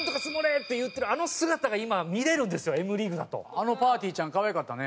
あのぱーてぃーちゃん可愛かったね。